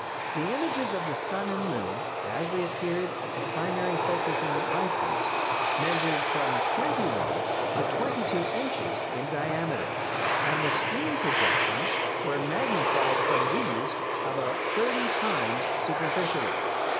The images of the sun and moon as they appeared at the primary focus in the eyepiece measured from twenty one to twenty two inches in diameter, and the screen projections were magnified from these about thirty times superficially.